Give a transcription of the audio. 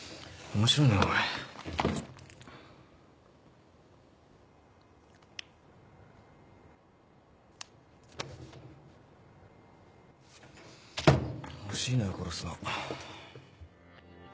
惜しいな殺すの。